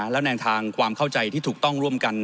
แล้วแนวทางความเข้าใจที่ถูกต้องร่วมกัน